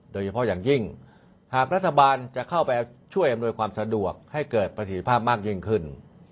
โดยเฉพาะอย่างยิ่งหากรัฐบาลจะเข้าไปช่วยอำนวยความสะดวกให้เกิดประสิทธิภาพมากยิ่งขึ้น